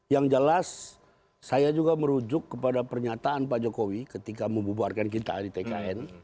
yang jelas saya juga merujuk kepada pernyataan pak jokowi ketika membubarkan kita di tkn